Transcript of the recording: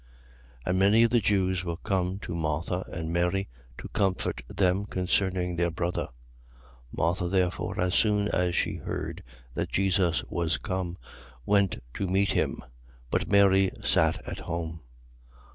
11:19. And many of the Jews were come to Martha and Mary, to comfort them concerning their brother. 11:20. Martha therefore, as soon as she heard that Jesus was come, went to meet him: but Mary sat at home.